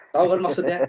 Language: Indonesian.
tahu kan maksudnya